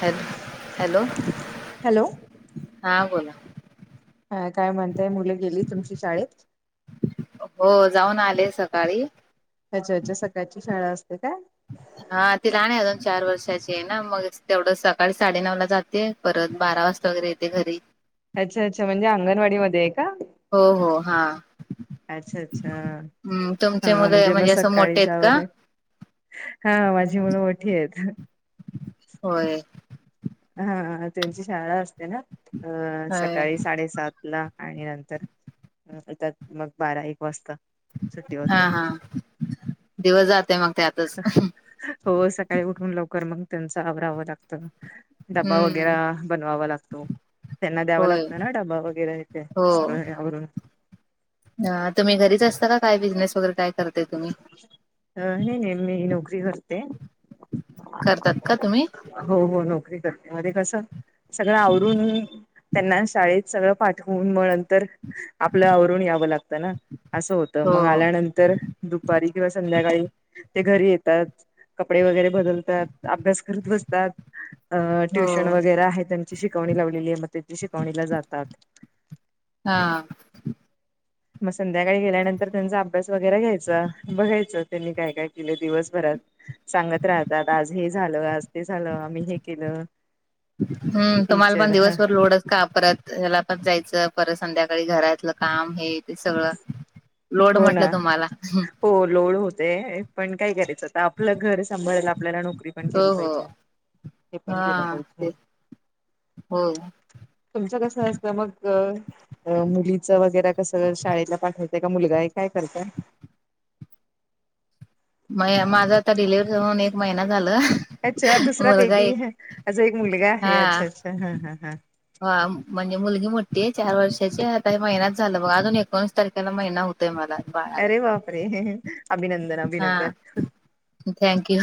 Hello hello! Hello. हा बोला. हा काय म्हणताय, मुले गेली तुमची शाळेत? हो, जाऊन आले सकाळी. [unintelligible] सकाळची शाळा असते काय? हा ती लहान अजून चार वर्षाची ना, मग तेवढं सकाळी साडेनऊ ला जाते. परत बारा वाजता वगैरे येते घरी. अच्छा अच्छा! म्हणजे अंगणवाडी मध्ये आहे का? हो हो हा. अच्छा अच्छा! हम्म तुमचे हा मुले म्हणजे मग असं सकाळी मोठे आहेत जाव का लागत. हा माझी मुलं मोठी आहेत. होय. हा त्यांची शाळा असते ना अ होय सकाळी साडेसात ला. आणि नंतरेतत मग बारा एक वाजता. सुट्टी हा होते. हा दिवस जातय मग त्यातच. हो सकाळी उठून लवकर मग त्यांच आवरावं लागतं. ड्बा हम्म वगैरे बनवावा लागतो. त्यांना द्यावं होय लागतं ना डबा वगैरे सगळं आवरून. ह तुम्ही घरीच असता काय बिझनेस वगैरे काय. करताय तुम्ही अ हे नाही मी नोकरी करते. करतात का तुम्ही? हो हो नोकरी करते म कसं. सगळं आवरून त्यांना शाळेत सगळं पाठवून मग नंतर आपलं आवरून यावं लागतं ना असं होतं हो मग आल्यानंतर दुपारी किंवा संध्याकाळी ते घरी येतात. कपडे वगैरे बदलतात अभ्यास करत बसतात हो ट्युशन वगैरे आहे शिकवणी लावलेली आहे म त्याची शिकवणीला जातात. हां हां मग संध्याकाळी गेल्यानंतर त्यांचा अभ्यास वगैरे घ्यायचा. बघायचं त्यांनी काय काय केलं दिवसभरात. सांगत राहतात आज हे झालं आज ते झालं आम्ही हे केलं. हम् तुम्हाला टीचर पण ह दिवसभर लोडच का परत ह्याला पण जायचं परत संध्याकाळी घरातलं काम हे ते सगळं लोड हो ना म्हटलं तुम्हाला. हो लोड होते पण काय करायचं आपलं घर सांभाळायला आपल्याला नोकरी पण हो केली हो पाहिजे हे पण हा केलं पाहिजे तेच होय तुमचं कस असतं मग मुलीचं वगैरे. कसं शाळेतला पाठवायचंय का मुलगा आहे काय करताय. म माझा आता डिलिव्हरी जाऊन एक महिना झाला. अच्छा दुसरा मुलगा बेबी एक ह असा एक मुलगा आहे अच्छा अच्छा हा हा हा. ह म्हणजे मुलगी मोठी चार वर्षाची आता महिना झाला बघ अजून एकोणीस तारखेला महिना हो. ते मला बाय. अरे बापरे अभिनंदन हा अभिनंदन. थँक्यू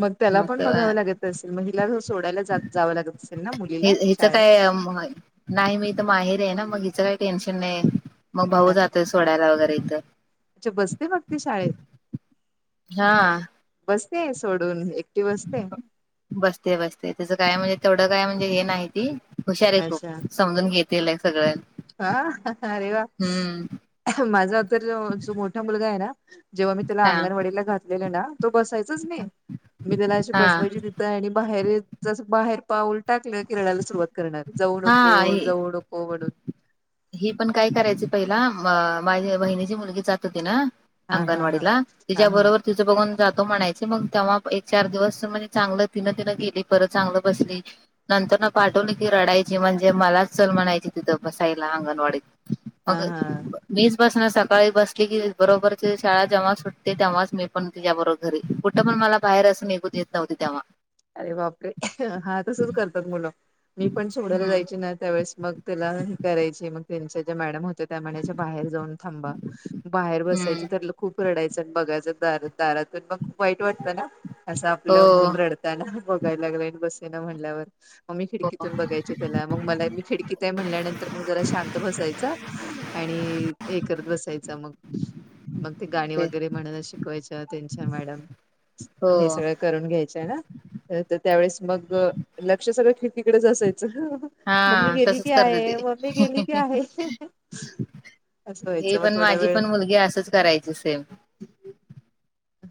मग त्याला पण बघावं लागत. अस मग हिला सोडायला जावं लागत असेल ना मुलीला हिच शाळेत. काय नाही मी तर माहेरी आहे ना मग हिचं काही टेन्शन नाही मग भाऊ अच्छा जातस सोडायला वगैरे इथं. अच्छा बसते का ती शाळेत? हा बसते सोडून एकटीव बसते बसते बसते त्याचं काय म्हणजे तेवढं काय म्हणजे हे नाही ती हुशार आहे अच्छा खूप. समजून घेते आहे सगळ्यां. हा अरे वा माझा तर जो मोठा मुलगा आहे ना जेव्हा मी त्याला हा अंगणवाडीला घातलेलं ना तो बसायचाच नाही मी त्याला अशी हा बसवायची. आणि बाहेर जस बाहेर पाऊल टाकलं की रडायला सुरुवात कर जाऊ हा नको ही जाऊ नको म्हणून. ही पण काय करायची पहिला माझी बहिणीची मुलगी जात होती ना. हा हा हा अंगणवाडीला हा हा तिच्याबरोबर तिचं बघून जातो म्हणायच मग तेव्हा एक चार दिवस म्हणजे चांगलं तिनं तिनं गेली परत चांगलं बसली नंतर ना पाठवून की रडायची म्हणजे मलाच चल म्हणायची तिथं बस ला आंगणवाडीत हा मग हा मीच बसणार सकाळी बसली की बरोबरची शाळा जेव्हा सुटते तेव्हाच मी पण तिच्याबरोबर घरी कुठं पण मला बाहेर अस निघू देत नव्हते तेव्हा अरे बापरे हा तसच करतात मुलं मी पण सोडायला हम्म जायची ना त्यावेेळेस मग तूला ह करायची मग त्यांचे जे मॅडम होते त्या म्हनाईच्या बाहेर जाऊन थांबा बाहेर बसायचे हम्म ठरल खूप रडायचं आणि बघायचं दार दारातून मग खूप वाईट वाटतं ना असं हो आपलं मुल रडताना बघायला लागलंन बसे ना म्हणल्यावर मग मी हो खिडकीतून बघायचे त्याला मग मला मी खिडकीत आहे म्हणल्यानंतर मग जरा शांत बसायचा आणि हे करत बसायचं मग मग ते गाणी वगैरे म्हणा शिकवायच्यां त्यांच्या मॅडम हो हे सगळं करून घ्यायाच्या ना. तर त्यावेेळेस मग लक्ष सगळं खिडकीकडेच असायचं. हा मम्मी गेली की तसच करते आहे? ते मम्मी गेली की आहे? असं हे व्हायचं मग पण थोडा माझी वेळ पण मुलगी असंच करायची सेम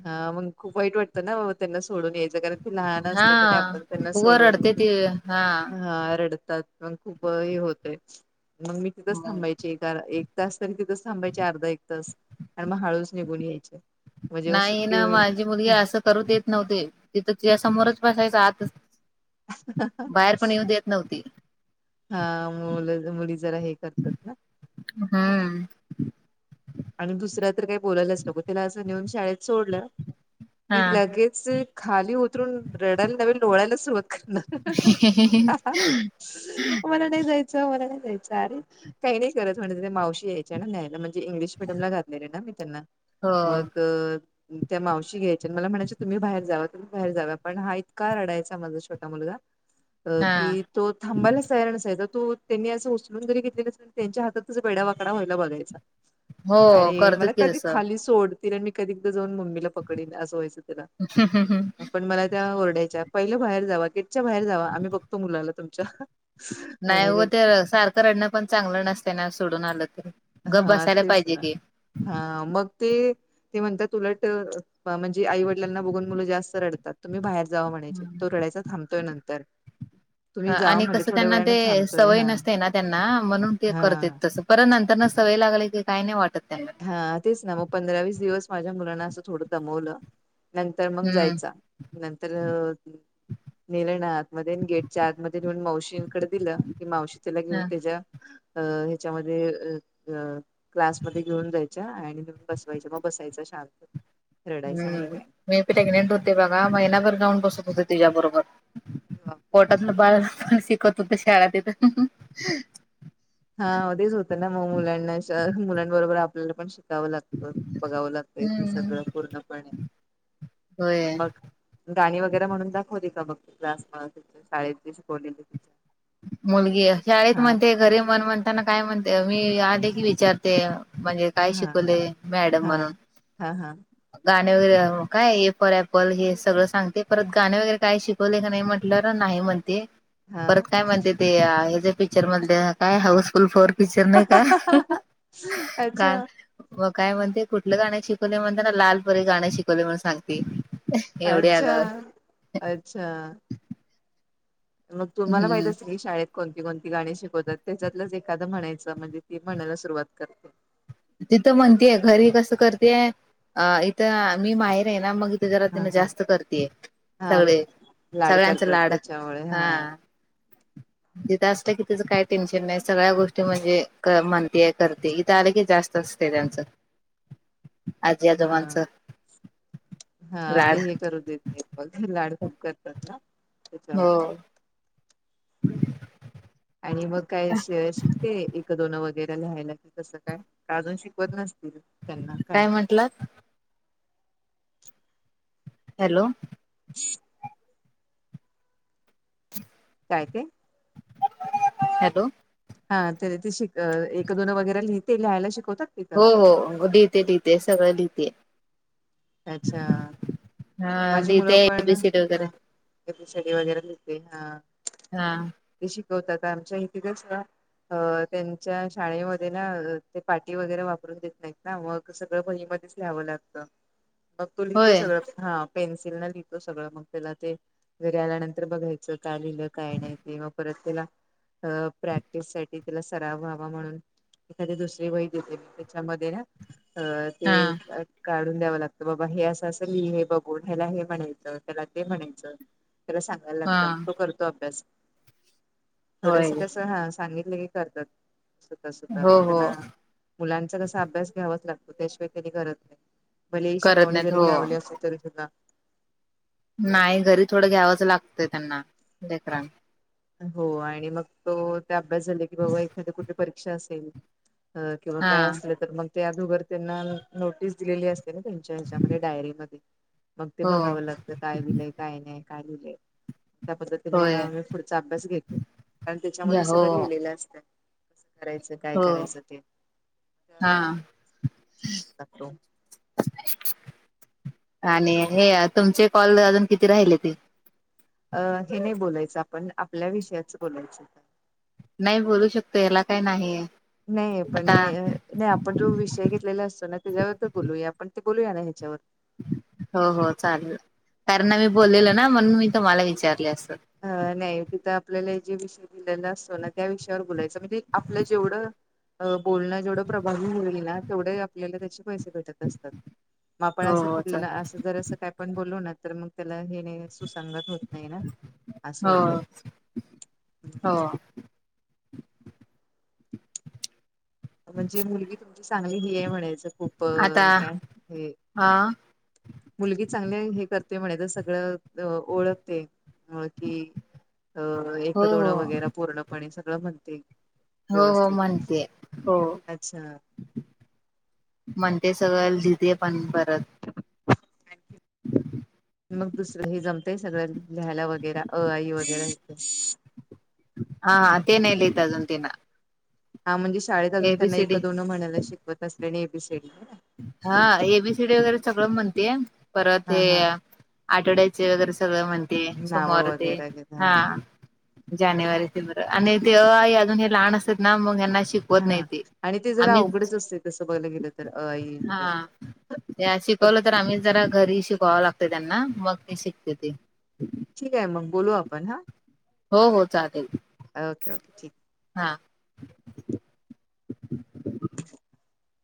हा मग खूप वाईट वाटतं ना वो त्यांना सोडून यायचं कारण लहान हा असतात आणि आपण त्यांना उग सोडून रडते ती हा हा रडतात. मग खूप हे होतय, मग मी तिथंच मग थांबायची. एक तास तरी तिथंच थांबायचे, अर्धा एक तास आणि मग हळूच निघून यायचे. मग जेव्हा नाही सुट्टी ना होईल माझी मुलगी असं करूत देत नव्हते तिथं तिच्या समोरच बसायचं आतच बाहेर पण येऊ देत नव्हती. हा मुलं मुली जरा हे करतात ना हम्म. आणि दुसरा तर काही बोलायलाच नको त्याला असं नेऊन शाळेत सोडलं हा की लगेच खाली उतरून रडायला नवीन लोळायला सुरूवात कर मला नाही जायच जा मला नाही जायचं, अरे काही नाही करत म्हणे त्या मावशी यायच्या ना न्यायला म्हणजे इंग्लिश ला घातले ना मी त्यांना हो मग त्या मावशी घ्यायच्या आणि मला म्हणायच्या तुम्ही बाहेर जावा बाहेर जाव पण हा इतका रडायचा माझा छोटा मुलगा हा की तो थांबायलाच तयार नसायचा तो त्यांनी असं उचलून जरी घेतलेलं असेल तरी त्यांच्या हातात अस वेडावाकडा व्हायला बघायचा हो आणि करतात मला की कधी तसं खाली सोड तिला मी कधीएकदा जाऊन मम्मीला पकडेन असं व्हायचं त्याला पण मला त्या ओरडायच्या पहिले बाहेर जावा च्या बाहेर जावा आम्ही बघतो मुलाला तुमच्या नाही हो म्हणायच्या ते सारखं रडणं पण चांगलं नसतयना सोडून आलं तर गप हा बसायला तेच पाहिजे ना की हा मग ते ते म्हणतात उलट, म्हणजे आई वडिलाना बघून मुलं जास्त रडतात तुम्ही बाहेर जावा म्हणायचे, तो रडायचा थांबतोय नंतर तुम्ही जावा आणि म्हटले कसं थोड्या त्यांना वेळाने ते थांबतोय सवय हा नसते ना, त्यांना म्हणून ते हा. करत्यात तसं परत नंतर ना सवय लागली की, काही नाही वाटत त्यांना. हा तेच ना मग पंधरा वीस दिवस माझ्या मुलांना असं थोडं दमवलं नंतर मग हम्म जायचा नंतर नेल ना आतमध्ये गेटच्या आतमध्ये नेऊन मावशीकडे दिलं की मावशी त्याला घेऊन ह त्याच्या अ ह्याच्यामध्ये क्लास मध्ये घेऊन जायच्या आणि बसवायच्या मग बसायचा शांत रडायचं नाही हम्म काय मी प्रेग्नेंट होते बघा महिनाभर जाऊन बसत होते तुझ्या बरोबर पोटातलं बाळ पन शिकत होत शाळा तिथं हा तेच होत ना मग मुलांना मुलांबरोबर आपल्याला पण शिक जावं लागत, बघावं लागत, इथे हम्म सगळं पूर्णपणे होय मग गाणी वगैरे म्हणून दाखवटीका? बघ क्लास ति शाळेत शिकवलेली ति मुलगी शाळेत म्हणते घरी मन म्हणताना काय म्हणते मी आले की विचारते म्हणजे काय हा शिकवले मॅडम? हा म्हणून हा हा गाणे वगैरे काय ए फॉर ऍपल हे सगळं सांगते परत गाणे वगैरे काय शिक ले का नाही म्हटलं नाही म्हणते हा परत काय म्हणते ते ह्याच पिकच्चर म्हणतं काय हाऊसफुल फोर विचर नाही का अच्छा काल मग काय म्हणते कुठलं गाण शिकवले म्हणते ना लालपरी गाण शिकवले म्हण सांगते एवढे अच्छा आगाव अच्छा मग तुम्हाला माहित हम्म असेल की शाळेत कोणती कोणती गाणी शिकवतात त्याच्यातलंच एखादं म्हणायचं म्हणजे ती म्हणायला सुरुवात करते तिथं म्हणतेय घरी कसं करतेय अ इथं मी बाहेर आहे ना मग जरा हा तिन हा जास्त करतेय हा सगळे लाड सगळ्यांच करतात लाड त्याच्यामुळे हा तिथं असत की तिचं काय टेन्शन नाही सगळ्या गोष्टी म्हणजे म्हणतीय करते इथं आले की जास्त असत आच हा हा लाड ते हे करू देत वगैरे लाड खूप करतात ना त्याच्यामुळे हो आणि मग काय शिकते एक दोन वगैरे लिहायला की कसं काय अजून शिकवत नसतील काय म्हंटल हॅलो काय ते हॅलो हा ते ते शिक एक दोनं वगैरे लिह ते लिहायला शिकवतात तिथं हो हो हिते दिते सगळं लहिते अच्छा हा माझी मुलं लिहिते पण एबीसीडी ह वगैरे शडी वगैरे घे हा हा ते शिकवतात आमच्या हिकस का अ त्यांच्या शाळेमध्ये ना ते पाटी वगैरे वापरून देत नाहीत ना मग सगळं बहीमध्येच लिवं लागत मग तो लिहितो होय सगळं हा पेन्सिल न लिहिलो सगळं मग पला ते घरी आल्यानंतर बघायचं काय लिहिलं काय नाही ते मग परत त्याला अ प्रॅक्टिस साठी तिला सराव व्हावा म्हणून एखाद दुसर वही देते मी त्याच्यामध्ये ना अ ते हा काढून द्यावं लागत बाबा हे असं असं मी आहे बा ्याला हे म्हणायच त्याला ते म्हणायचं त्याला सांग हा लागत तो करतो अभ्यास थोडस होय कसं सांगितलं की करतात सुत सुत मग हो हो त्यांना मुलांचा कसा अभ्यास घ्यावाच लागतो त्याशिवाय त्यांनी करत नाही भले ही करत शिकवणी नाहीत जरी हो लावली असल तरी हो नाही घरी थोडं घ्यावचं लागतंय त्यांना देकरन हो आणि मग तो ते अभ्यास झाले की बाबा एखाद कुठली परीक्षा असेल अ किंवा हा काय असले तर मग त्या दुगर त्यांना नोटीस दिलेली असते ना त्यांच्या ह्याच्यामध्ये डायरीमध्ये मग ते हो बघावं लागतं काय दिलंय काय नाही काय दिलंय त्या पद्धतीने होय मग पुढचा अभ्यास घेते कार घ्या त्याच्यामध्ये हो सगळं लिहिलेलं असतय कसं करायचं काय हो करायचं ते त्या हा पद्धतीने सग अभ्यास लागतो आणि हे तुमचे कॉल अजून किती राहिले ते? अ हे नाही, बोलायचं आपण आपल्या विषयाच बोलायचं. नाही बोलू शकतो, याला काही नाहीयं. नाही पण नाही नाही आपण जो विषय घेतलेला असतो ना त्याच्यावर तर बोलूया आपण ते बोलूया ना ह्याच्यावर हो हो चालेल कार ना मी बोललेलो ना म्हणून मी तुम्हाला विचारले असत अ नाही तिथं आपल्याला जे विषय दिलेलं असतो ना, त्या विषयावर बोलायचं म्हणजे आपलं जेवढं अ बोलणं जेवढं प्रभावी होईल ना, तेवढे आपल्याला त्याचे पैसे भेटत असतात. मग आपण हो असं हो चल कुठला असं जर, अस काय पण बोलू ना तर मग त्याला हे नाही, सुसंगत होत नाही ना. असं हो होतय हो. हा. म्हणजे मुलगी तुमची चांगली ही आहे, म्हणायचं खूपच आता अअ काय हे हा मुलगी चांगली हे करते म्हणे, तर सगळं ओळखते. म कि अ हो एक दोनं हो वगैरे पूर्णपणे सगळं म्हणते. हो हो, व्यवस्थित. म्हणते हो. अच्छा! म्हणते सगळ लिहते पण परत. मग दुसरं हे जमतंय सगळ लिहायला, वगैरे अ आई वगैरे. हा, ते नाही देत अजून तेना. हा, म्हणजे शाळेत अजून त्यांना एक दोन म्हणायला शिकवत असल्याने ए बी सी डी. हा, ए बी सी डी वगैरे सगळं म्हणतेय परत हा हे हा. आठवड्याचे वगैरे सगळं म्हणते नावं सोमवार ते वगैरे घेत हा. जानेवारी, फेब्रुवारी आणि ते अ आई अजून हे लहान असतात ना, मग यांना शिक हा, आणि ते जरा अवघडच असतयं, तसं बघायला गेलं तर अ आई हा ते. त्या शिकवलं तर, आम्ही जरा घरी शिकवावं लागत त्यांना मग ती शिकते ते. [unintelligible] ठीक आहे, मग बोलू आपण हा. हो हो, चालेल. Okay okay! ठीके. हा. [unintelligible]